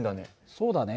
そうだね。